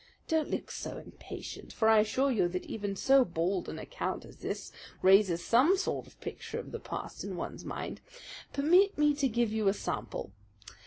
Don't look so impatient; for I assure you that even so bald an account as this raises some sort of picture of the past in one's mind. Permit me to give you a sample.